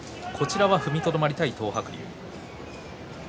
踏みとどまりたい、東白龍。